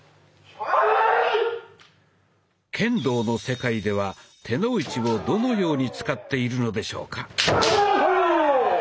剣道の世界では「手の内」をどのように使っているのでしょうか？